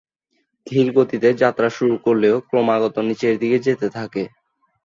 ধীরগতিতে যাত্রা শুরু করলেও ক্রমাগত নিচেরদিকে যেতে থাকে।